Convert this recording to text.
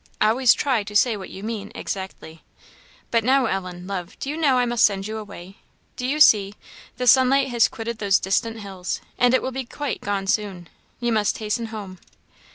"Always try to say what you mean exactly. "But now, Ellen, love, do you know I must send you away? Do you see, the sunlight has quitted those distant hills, and it will be quite gone soon. You must hasten home."